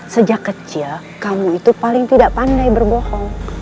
sejak kecil kamu itu paling tidak pandai berbohong